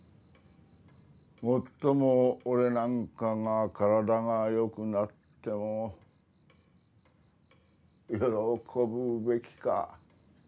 もっとも俺なんかが身体が良くなっても喜ぶべきか。